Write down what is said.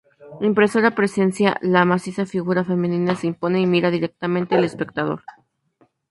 Imperiosa presencia, la maciza figura femenina se impone y mira directamente al espectador.